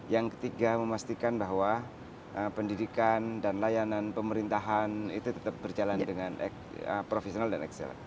yang ketiga memastikan bahwa pendidikan dan layanan pemerintahan itu tetap berjalan dengan profesional dan eksel